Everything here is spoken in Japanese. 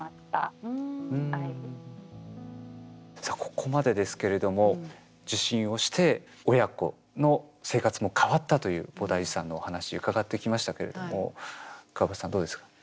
さあここまでですけれども受診をして親子の生活も変わったというボダイジュさんのお話伺ってきましたけれどもくわばたさんどうですか？